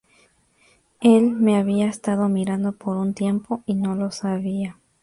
Él me había estado mirando por un tiempo y no lo sabía.